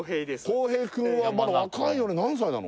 航平くんはまだ若いよね何歳なの？